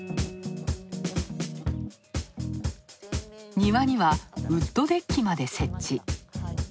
庭にはウッドデッキまで設置。